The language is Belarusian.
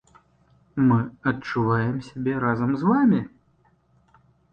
Мы адчуваем сябе разам з вамі!